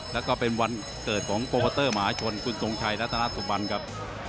และก็เป็นวันเกิดของโปรกอตเตอร์หมาชนคุณสงชัยณสุบันครับ